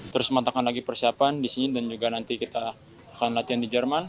terus menekan lagi persiapan disini dan juga nanti kita akan latihan di jerman